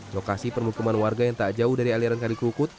lokasi permukiman warga yang tak jauh dari aliran kali kerukut